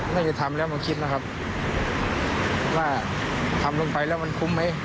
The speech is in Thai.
จะทำแล้วมาคิดนะครับว่าทำลงไปแล้วมันคุ้มไหม